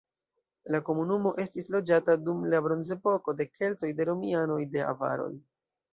La komunumo estis loĝata dum la bronzepoko, de keltoj, de romianoj, de avaroj.